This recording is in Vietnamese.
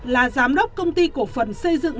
là giám đốc công ty cổ phần xây dựng